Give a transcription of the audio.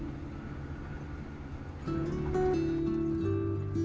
kita sudah berjalan ke yogyakarta